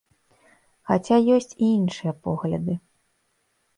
Хаця ёсць і іншыя погляды.